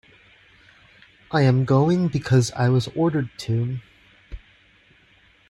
I am going because I was ordered to.